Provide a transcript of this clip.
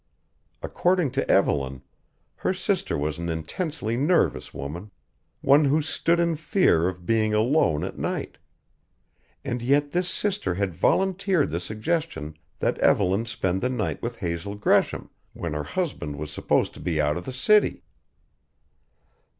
According to Evelyn, her sister was an intensely nervous woman: one who stood in fear of being alone at night. And yet this sister had volunteered the suggestion that Evelyn spend the night with Hazel Gresham when her husband was supposed to be out of the city.